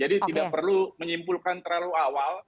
jadi tidak perlu menyimpulkan terlalu awal